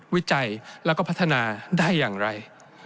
วิจัยแล้วก็พัฒนาได้อย่างไร